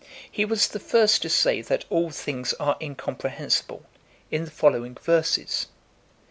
He was the first to say that all things are in comprehensible, in the following verses : (Frag.